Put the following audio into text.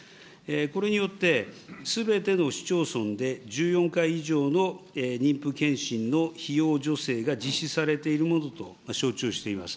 これによって、すべての市町村で１４回以上の妊婦健診の費用助成が実施されているものと承知をしています。